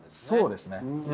そうですね。